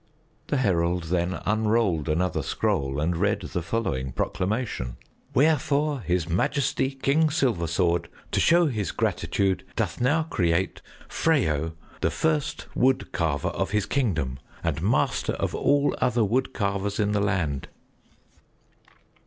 The herald then unrolled another scroll and read the following proclamation: "Wherefore His Majesty, King Silversword, to show his gratitude, doth now create Freyo the First Wood Carver of his kingdom and master of all other wood carvers in the land."